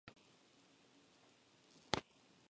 Su madre era dentista y aristócrata ortodoxa rusa.